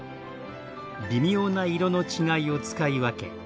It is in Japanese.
微妙な色の違いを使い分け